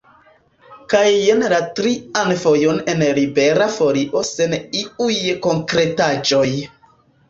Kaj jen la trian fojon en Libera Folio sen iuj konkretaĵoj.